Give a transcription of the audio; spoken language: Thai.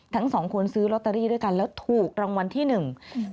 ทั้งสองคนซื้อลอตเตอรี่ด้วยกันแล้วถูกรางวัลที่หนึ่งอืม